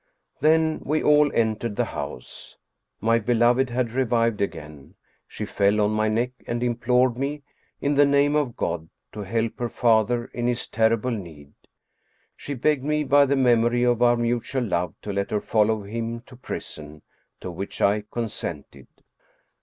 Then we all entered the house. My beloved had re vived again. She fell on my neck and implored me, in the name of God, to help her father in his terrible need. She begged me by the memory of our mutual love to let her follow him to prison, to which I consented.